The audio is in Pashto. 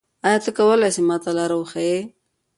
آیا ته کولای سې ما ته لاره وښیې؟